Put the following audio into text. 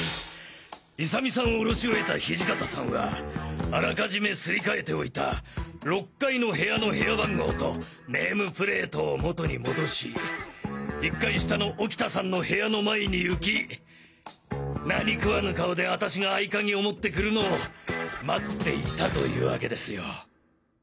勇美さんをおろし終えた土方さんはあらかじめすり替えておいた６階の部屋の部屋番号とネームプレートを元に戻し１階下の沖田さんの部屋の前に行き何食わぬ顔で私が合鍵を持ってくるのを待っていたというわけですよ。